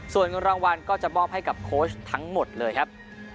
ส่วนเงินรางวัลก็จะมอบให้กับโค้ชทั้งหมดเลยครับ